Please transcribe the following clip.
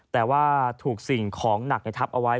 แต่ว่าถูกสิ่งของหนักในทับเอาไว้